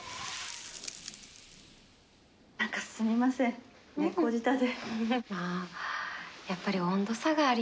何かすみません猫舌で。